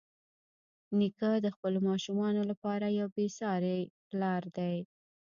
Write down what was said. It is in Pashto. نیکه د خپلو ماشومانو لپاره یو بېساري پلار دی.